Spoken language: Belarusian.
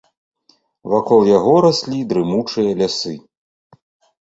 Вакол яго раслі дрымучыя лясы.